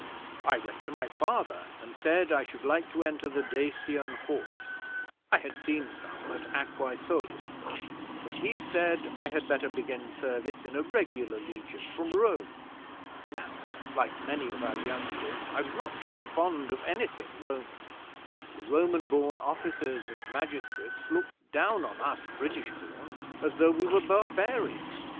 I went to my Father, and said I should like to enter the Dacian Horse (I had seen some at Aquae Solis); but he said I had better begin service in a regular Legion from Rome. Now, like many of our youngsters, I was not too fond of anything Roman. The Roman born officers and magistrates looked down on us British born as though we were barbarians.